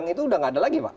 itu sudah tidak ada lagi pak